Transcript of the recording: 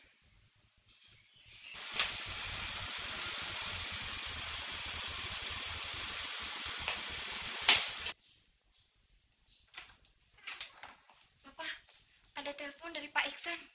apa ada telepon dari pak iksan